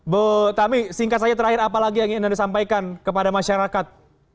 bu tami singkat saja terakhir apa lagi yang ingin anda sampaikan kepada masyarakat